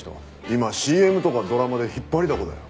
今ＣＭとかドラマで引っ張りだこだよ。